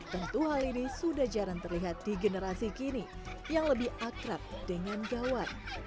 tentu hal ini sudah jarang terlihat di generasi kini yang lebih akrab dengan gawat